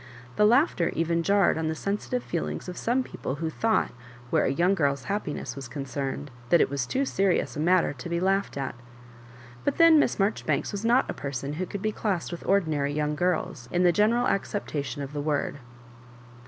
The laughter even jarred on the seasitire feelings of some people who thought, where a young girl's happiness was toncemed, that it was too serious a matter to be 1 iughed at ; but then Miss Maijoribanks was not a person who could be classed with ordinary young girls, in the general acceptation of the word.